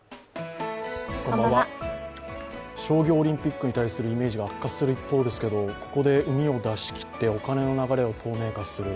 商業オリンピックに対するイメージが悪化する一方ですけどここでうみを出し切って、お金の流れを透明化する。